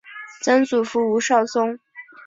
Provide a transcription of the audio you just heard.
曾祖父吴绍宗。